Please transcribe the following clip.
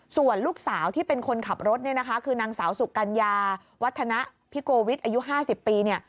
ส่วนลูกสาวที่เป็นคนขับรถคือนางสาวสุกัญญาวัฒนะพิโกวิทอายุ๕๐ปี